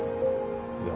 いや。